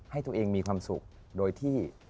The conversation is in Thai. ให้ตัวเองมีความสุขโดยที่